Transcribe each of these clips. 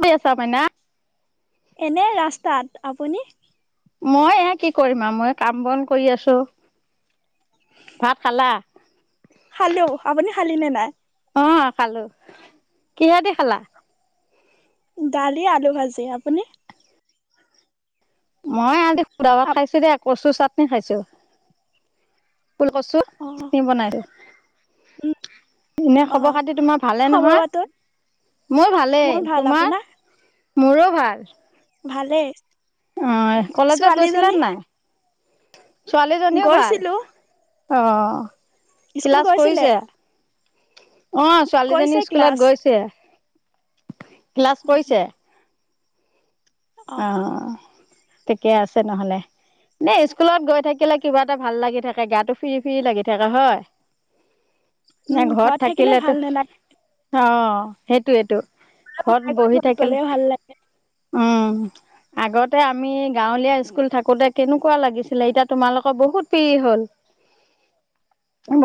দি আছ মাইনা। এনে ৰাস্তাত। আপুনি? মই এ কি কৰিম আৰু মই কাম বন কৰি আছোঁ। ভাত খালা? খালো। আপুনি খালে নে নাই? অ খালো। কিহেদি খালা? দালি, আলু ভাজি। আপুনি? মই এয়াদেখোন সুদাভাত আপ খাইছো দে। কচু চাত কেনে খাইছো। ফুল কচু অ চাতনি বনাইছো। উম এনে অ খবৰ খাতি তোমাৰ ভালে খবৰ নহয়? বাতৰি মোৰ ভালেই? ভাল তোমাৰ? আপোনাৰ মোৰো। ভাল। ভালে। অ কলেজত গৈছিলা নাই? হয়। ছোৱালীজনীও ভাল। গৈছিলো অ স্কুল ক্লাছ গৈছিলে কৰিছে? অ কৈছে ছোৱালীজনী ক্লাছ স্কুলত গৈছে। ক্লাছ কৰিছে? অ ঠিকে আছে। নহলে। এ স্কুলত গৈ থাকিলে কিবা এটা ভাল লাগি থাকে গাটো ফ্ৰী ফ্ৰী লাগি থাকে হয়? না উম ঘৰত থাকিলে থাকিলেতো ভাল নালাগে অ সেইটোয়েটো। ফোন কৰিলে ভাল লাগে। উম আগতে আমি গাঁৱলীয়া স্কুল থাকোতে কেনেকুৱা লাগিছিলে। এতিয়া তোমালোকৰ বহুত ফ্ৰী হ'ল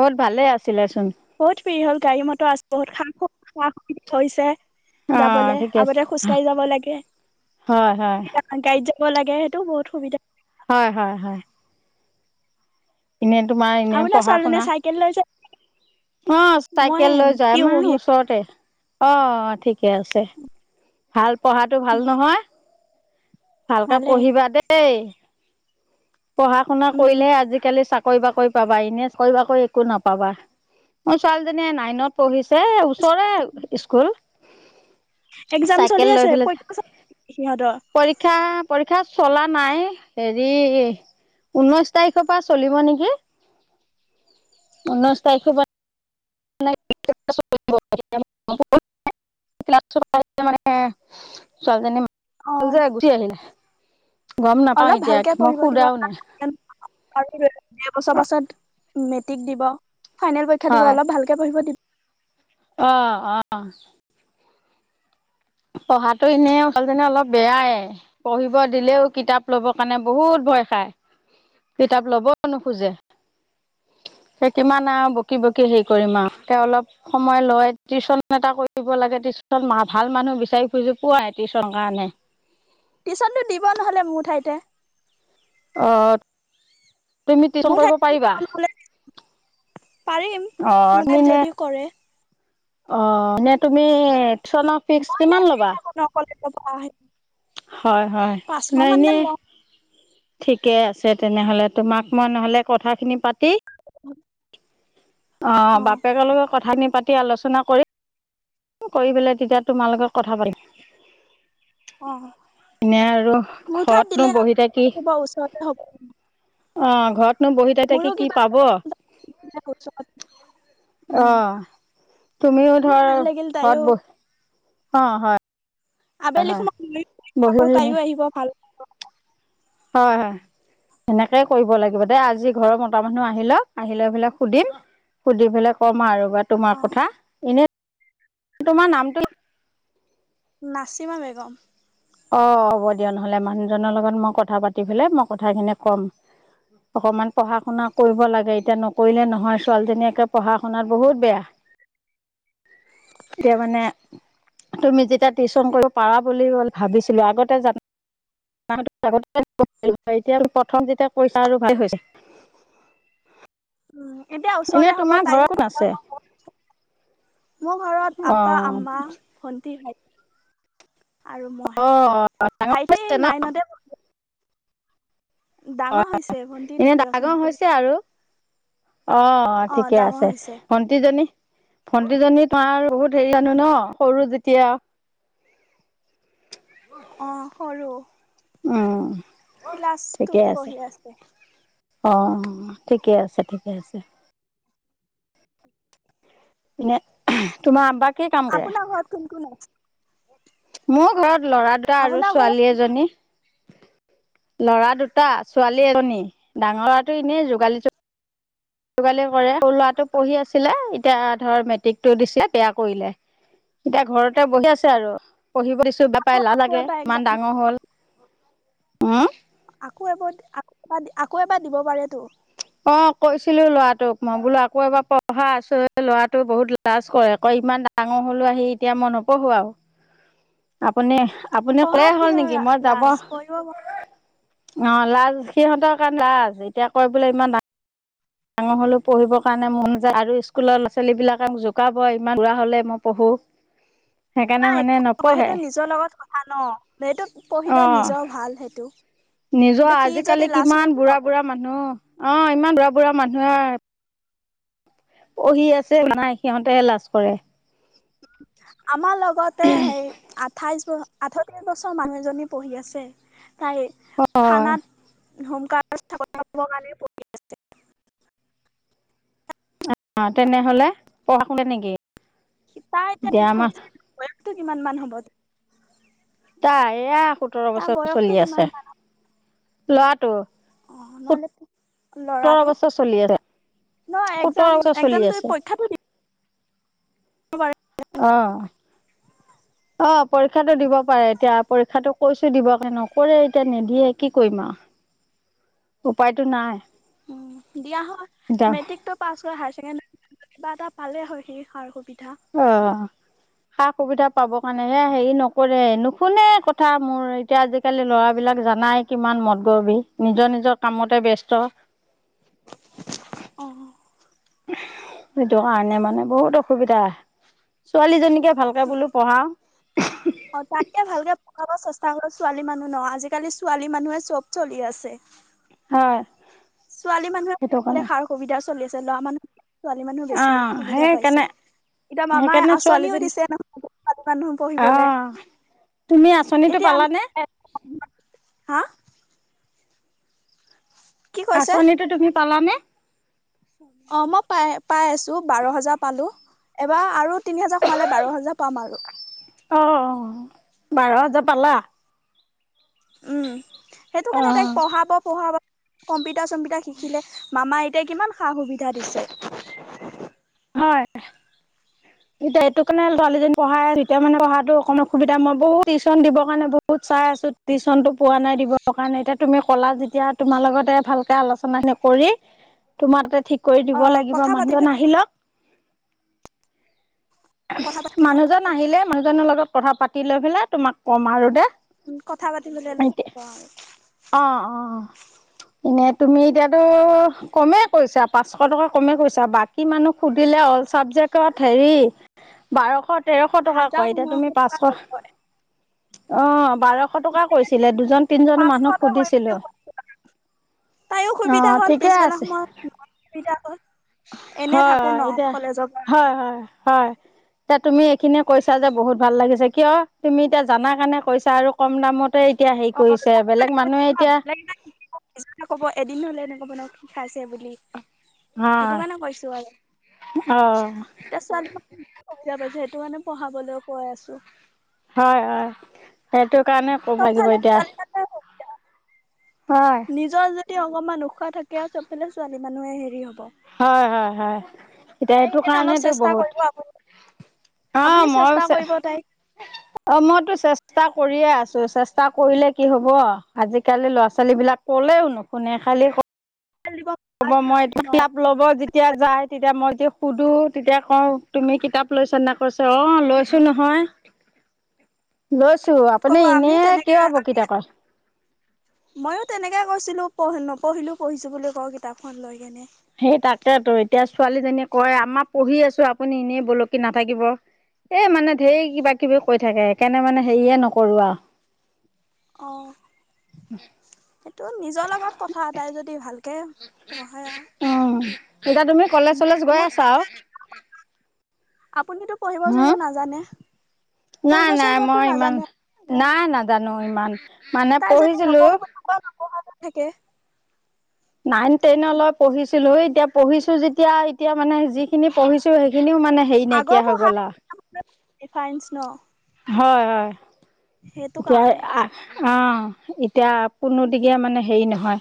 বহুত ভালে আছিলে। চোন বহুত ফ্ৰী হল গাড়ী মটৰ আছে বহুত খা খুৱাক হৈছে অ যাবলে ঠিকে আছে। আগতে খোজ কঢ়ি যাব লাগে। হয় হয় এতিয়া গাড়ী কব লাগে সেইটো বহুত সুবিধা। হয় হয় হয়। এনে তোমাৰ এনে আপোনাৰ পঢ়া শুনা? ছোৱালীজনীয়ে চাইকেল লৈছে অ মই চাইকেল লৈ যায় পিয়ো আমাৰ বহি আছো। ওচৰতে। অ ঠিকে আছে। ভাল পঢ়াটো ভাল নহয়। ভালকে ভালে পঢ়িবা দেই। পঢ়া শুনা উম, কৰিলেহে আজিকালি চাকৰি কৰিবা কৰিবা বাৰিনেচ কৰিবা কৈ একো নাপাবা মোৰ ছোৱালীজনী নাইনত পঢ়িছে ওচৰে স্কুল একজাম চাইকেল চলি লৈ আছে পেলাই পৰীক্ষা চলি আছে সিহঁতৰ ক্ষাত চলা নাই হেৰি ঊনৈশ তাৰিখৰ পৰা চলিব নেকি ঊনৈশ তাৰিখৰ পৰা [unintelligible] মানে, অ', ছোৱালীজনী [unintelligible] গম নাপাও অলপ এতিয়া ভালকে মই পঢ়িব দিব সোধাও নাই এবছৰ পাছত মেট্ৰিক দিব। ফাইনেল পৰীক্ষা দিব হয় অলপ ভালকে পঢ়িব দি অ' অ' পঢ়াটো এনেও, ছোৱালীজনী অলপ বেয়াই, পঢ়িব দিলেও কিতাপ লব কাৰণে বহুত ভয় খায়। কিতাপ লবও নোখোজে। হে কিমান আৰু বকি বকি হেৰি কৰিম আৱ হে অলপ সময় লয়। টিউচন এটা কৰিব লাগে টিউচন ভাল মানুহ বিচাৰি ফুৰিছো পুৱাই টিউচন কাৰণে। টিউচনটো দিব নহ'লে, মোৰ ঠাইতে। অ' তুমি টিউচন মোৰ কৰিব পাৰিবা ঠাইত পাৰিম মোৰ ঠাইত যদি কৰে। অ'নে তুমি টিউচনৰ ফিছ মই এনে কিমান ফ্ৰী ল'বা থাকো [unintelligible] হয়, হয়। পাঁচশ মই মানকে এনে লওঁ ঠিকে আছে তেনেহ'লে, তোমাক মই নহ'লে কথাখিনি পাতি [inaudible] অ' বাপেকৰ লগত কথাখিনি পাত আলোচনা কৰি, কৰি পেলাই তেতিয়া তোমা লগত কথা পাতিম। অ', এনে আৰু মোৰ ঠাইত ঘৰতনো দিলে বহি থাকি হ'ব ওচৰতে হ'ব অ' ঘৰত নোঁ বহিতে মোৰো থাকি কি কিবা পাব। অ' ওচৰত উম, তুমিও ধৰ ভাল লাগিল ঘৰত তাইও বহি অ' হয়। হয় আবেলি হয় সময়ত [unintelligible] বহি আকৌ বহি নি তাইও আহিব ভাল হয়, হয়। সেনেকেই কৰিব লাগিব, দে আজি ঘৰৰ মতা মানুহ আহি লওক। আহি লৈ পেলাই সুধিম সুধি পেলাই কম আৰু তোমাৰ অ' কথা এনে তোমাৰ নামটো নাচিমা বেগম। অ হ'ব দিয়া নহলে, মানুহজনৰ লগত মই কথা পাতি পেলাই মই কথাখিনি ক'ম! অকমান পঢ়া শুনা কৰিব লাগে। এতিয়া নকৰিলে নহয়, ছোৱালীজনীয়েকে পঢ়া শুনাত বহুত বেয়া। এতিয়া মানে, তুমি যেতিয়া টিউচন কৰিব পাৰা বুলিলে ভাবিছিলো আগতে, [unintelligible] এতিয়া প্ৰথম যেতিয়া পইছা আৰু ভাল হৈছে। উম, এতিয়া এনে ওচৰতে হ'ব তোমাৰ ঘৰত তাইও। কোন আছে মোৰ ঘৰত অ আপা, আম্মা, ভন্টি। আৰু মই অ ভাইটি নাইনতে পঢ়ি ডাঙৰ অঁ হৈছে ভন্টি এনে দ্বিতীয় ডাঙৰ শ্ৰেণীত হৈছে পঢ়িছে। আৰু অঁ অ' ঠিকে ডাঙৰ আছে হৈছে ভটিজনী ভণ্টিজনী তোমাৰ বহুত হেৰি জানো ন সৰু যেতিয়া অঁ সৰু উম ক্লাছ ঠিকে টুত আছে পঢ়ি অঁ ঠিকে আছে ঠিকে আছে উমম এনে তোমাৰ আম্বাক আপোনাৰ ঘৰত কোন কোন আছে মোৰ ঘৰত ল'ৰা দুটা আৰু আপোনাৰ ঘৰত ছোৱালী এজনী লৰা দুটা ছোৱালী এজনী ডাঙৰ লৰাটো এনেই যোগালী যোগালি কৰে লৰাটো পঢ়ি আছিলে এতিয়া ধৰ মেট্ৰিকটো দিছিল বেয়া কৰিলে এতিয়া ঘৰতে বহি আছে আৰু পঢ়িব দিছো বে আকৌ পাই এলাহ আকৌ লাগেড় এবাৰ এক্সাম ইমান ডাঙৰ হ'ল উম আকৌ এবাৰ আকৌ এবাৰ আকৌ এবাৰ দিব পাৰেতো অ কৈছিলো লৰাটোক মই বোলো আকৌ এবাৰ পঢ়া আছো ল'ৰাটোক বহুত লাজ কৰে আকৌ ইমান ডাঙৰ হলো আহি এতিয়া মই নপঢ়ো আৰু আপুনি আপুনি কয় পঢ়াত হ'ল কিহৰ নেকি মই যাব লাজ পঢ়িব অঁ লাজ সিহঁতৰ কাৰণে লাজ এতিয়া কৈ বোলে ইমান দা ডাঙৰ হ'লেও পঢ়িবৰ কাৰণে মন যায় আৰু স্কুলৰ ল'ৰা ছোৱালীবিলাকে মোক জোকাব ইমান দূৰা হ'লে মই পঢ়োঁ নাই একোয় সেইটো নিজৰ লগত কথা ন এইটোোক পঢ়িলে অ। নিজৰ ভাল সেইটো নিজৰ সেইটো সি আজিকালি যদি লাজ কিমান হয় কি বুঢ়া পব বুঢ়া মানুহ অ ইমান বুঢ়া বুঢ়া মানুহে পঢ়ি আছে মানে সিহঁতহে লাজ কৰে আমাৰ লগত আগতে সেই আঠাইছ ব আঠত্ৰিশ বছৰ মানুহ এজনী পঢ়ি আছে। তাই হয় থানাত হোমগাৰ্ড কথাকে পঢ়া আছে অঁ অঁ তেনেহলে পঢ়া শুনে নেকি? তাই এতিয়া আমাৰ এতিয়া কিমান মান হ'ব আই ইয়া সোতৰ তাৰ বছৰ বয়সটো চলি কিমান আছে মান লৰাটো অ নহ'লে সোতৰ লৰাটো বছৰ চলি আছে ন সোতৰ একজাম বছৰ চলি একজাম আছে পৰীক্ষাটো দি। অ বাই অ অ পৰীক্ষাতটো দিব পাৰে এতিয়া পৰীক্ষাতটো কৈছো দিব কে নকৰে এতিয়া নিদিয়ে কি কৰিম আৰু উপায়তো নাই। উ দিয়া হয় এতিয়া মেট্ৰিকটো পাছ কৰা হায়াৰ ছেকেণ্ডেৰী কিবা এটা পালে হয় সেষ সুবি। অ সা সুবিধা পাব কাৰণে হে হেৰি নকৰে নুশুনে কথা মোৰ এতিয়া আজিকালি ল'ৰাবিলাক জানাই কিমান মদ গৰভি নিজৰ নিজৰ কামতে ব্যস্ত। অ সেইটো কাৰণে মানে বহুত অসুবিধা ছোৱালীজনীকে ভালকে বোলো পঢ়াও। অ তাতকে ভালকে পঢ়াব চেষ্টা কৰ ছোৱালী মানুহ নহ আজিকালি ছোৱালী মানুহে চব চলি আছে। হয় ছোৱালী সেইটো মানুহে কাৰণে সাৰ সুবিধা চলি আছে ল'ৰা মানুহ। ছোৱালী মানুহ অ বেছি সুবিধা পাইছে সেইকাৰণে এতিয়া মামাই সেইকাৰণে আঁচনিও ছোৱালীজনী দিছে নহয় ছোৱালী মানুহ অ পঢ়িবলে তুমি আঁচনিটো এতিয়া পালানে আমি হা কি কৈছে আঁচনিটো তুমি পালা নে? অ মই পায় পাই আছো বাৰ হাজাৰ পালো এবাৰ আৰু তিনি হাজাৰ সোমালে বাৰ হাজাৰ পাম আৰু অ অ বাৰ হাজাৰ পালা উম সেইটো অ কাৰণে তাইক পঢ়াব পঢ়াব। কম্পিউট কম্পিউটাৰ চমপিতা শিকিলে মামা এতিয়া কিমান সা সুবিধা দিছে। হয় এতিয়া এইটো কাৰণে ছোৱালীজনী পঢ়াই আছো এতিয়া মানে পঢ়াতটো অকমান অসুবিধা মই বহুত টিউশচন দিবৰ কাৰণে বহুত চাই আছো টিউশনতটো পোৱা নাই দিব কাৰণে এতিয়া তুমি ক'লা যেতিয়া তোমাৰ লগতে ভালকে আলোচনা কৰি তোমাৰ তাতে ঠিক। কৰি অ দিব লাগিব কথা পাতি মানুহজন আহিলক কথা পাতি মানুহজন আহিলে মানুহজনৰ লগত। কথা পাতি লৈ পেলাই তোমাক ক'ম আৰু দে উ কথা পাতি বৈ এতিয়া ক অ অ এনে তুমি এতিয়াতো কমেই কৈছা পাঁচশ টকা কমে কৈছা বাকী মানুহ সুধিলে অল চাবজেক্টত হেৰি বাৰশ তেৰশ টকা হাজাৰ কয় এতিয়া পোন্ধৰশ তুমি টকা পাঁচশ ল'বই, অ বাৰশ টকা কৰিছিলে দুজন তিনিজন পাঁচশ মানুহ টকা কৰিম সুধিছিলো বুলি কৈছে। তাইৰো অ সুবিধা হ'ল ঠিকে পিছবেলা আছে সময়ত মোৰ সুবিধা হ'ল, এনে হয় থাকো ন এতিয়া কলেজৰ পৰা আহি। হয় হয় হয় এতিয়া তুমি এইখিনিয়ে কৈছা যে বহুত ভাল লাগিছে কিয় তুমি এতিয়া জানা কাৰণে কৈছা আৰু কম দামত এতিয়া হেৰি অ' কৰিছে বেলেগ মানুহে এতিয়া ক'ব এদিন হলে ন বনাওঁ খাইছে বুলি সেইটো হয় কাৰণে কৈছো আৰু অ', এতিয়া ছোৱালী বুা পাইছে সেইটো মানে পঢ়াবলৈ কৈ আছো হয় হয় সেইটো কাৰণে ক'ম লাগিব চবফালে এতিয়া। ছোৱালী মানুহে হয় নিজৰ যদি তে অকমান উশাহ থাকে আৰু চব পালে ছোৱালী মানুহে হেৰি হ'ব হয় হয় হয়। এতিয়া তাইক সেইটো সেইকাৰণে অলপ কাৰণেতো চেষ্টা বহুত কৰিব আপুনি, অ আপুনি মই চেষ্টা কৰিব তাইক অ মইতো চেষ্টা কৰিয়ে আছো চেষ্টা কৰিলে কি হ'ব আজিকালি ল'ৰা ছোৱালীবিলাক ক'লেও নুশুনে খালি দিব হ'ব মই এইটো ন কলাপ ল'ব যেতিয়া যায় তেতিয়া মই য়া সুধো তেতিয়া ক তুমি কিতাপ লৈছা নে কৈছা অ লৈছো নহয় লৈছো। আপুনি কব এনে আমিও তেনেকে কিয় আমি বকিতা কয় ময়ও তেনেকে কৈছিলো। পঢ ন পঢ়িলোও পঢিছো বুলি কওঁ কিতাপখন লৈ কেনে সেই তাকেতো এতিয়া ছোৱালীজনীয়ে কয় আমাৰ পঢ়ি আছো আপুনি এনেই বলকি নাথাকিব এই মানে ধঢেৰ কিবা কিবি কৈ থাকে সকাৰণে মানে হেৰিয়ে নকৰো আৰু অঁ এইেইটো নিজৰ লগত কথা এটাই যদি ভালকে পঢ়ায় আৰু তেতিয়া তুমি কলেজ চলেজ গৈ মোৰ আছা আৰু আপুনিতো পঢ়িব যিব হম নাজানে? নাই পঢ়িব নাই চঢ়িবতো মই ইমান। নাজানে নাই নাজানো ইমান মানে তাই যদি পঢ়িছিলো নপঢ়ো [unintelligible] থাকে নাইন-টেনলৈ পঢ়িছিলো, এতিয়া পঢ়িছোঁ যেতিয়া, এতিয়া মানে যিখিনি পঢ়িছোঁ সেইখিনি খিনিও মানে হেৰি নাইকিয়া হৈ গ'ল আৰু। এই ফাইনছ ন? হয় হয়। সেইটো এতিয়া কাৰণে অ' এতিয়া কোনোদিগীয়া মানে হেৰি নহয়।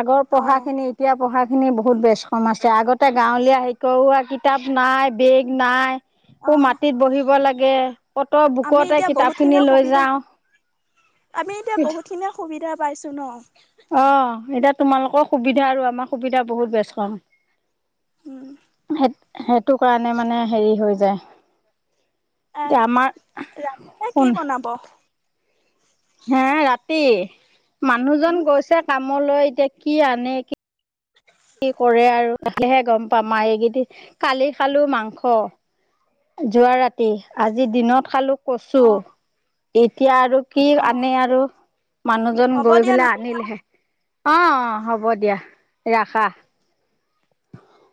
আগৰ অ পঢ়াখিনি, এতিয়া পঢ়াখিনি সেইখিনি বহুত বেছ-কম আছে, আগতে গাঁৱলীয়া শিক্ষা কিতাপ নাই, বেগ নাই। অ মাটিত বহিব লাগে, অত আমি বুকতে এতিয়া কিতাপখিনি বহুতখিনিয়ে লৈ সুবিধা যাও। আমি এতিয়া বহুতখিনিয়ে সুবিধা পাইছোঁ ন। অহ। এতিয়া তোমালোকৰ সুবিধা আৰু আমাৰ সুবিধা বহুত বেচ কম। উম। হয়। টো কাৰণে মানে হেৰি হৈ যায়। আহ। এতিয়া আমাৰ ৰাতিকে শুন কি বনাব? হে ৰাতি? উম মানুহজন গৈছে কামলৈ টিয়া কি আনে, কি কি কৰে আৰু আহিলেহে গম পাম আৰু এইকেইটি, কালি খালো মাংস। যোৱা ৰাত টি। আজি দিনত খালো কছু। অ এক এতিয়া আৰু কি অ আনে আৰু? মানুহজন হ'ব গৈ দিয়া পেলাই নহ'লে আনিল হে। অ' হ'ব দিয়া। ৰাখা।